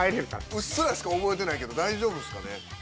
うっすらしか覚えてないけど大丈夫ですかね？